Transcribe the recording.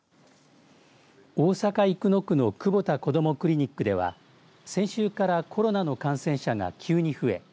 大阪生野区のくぼたこどもクリニックでは先週からコロナの感染者が急に増え